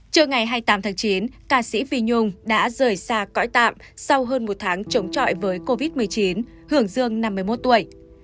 trưa ngày hai mươi tám tháng chín ca sĩ phi nhung đã rời xa cõi tạm sau hơn một tháng chống trọi với covid một mươi chín hưởng dương năm mươi một tuổi